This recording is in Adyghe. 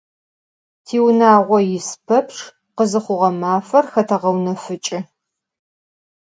Tiunağo yis pepçç khızıxhuğe mafer xeteğeunefıç'ı.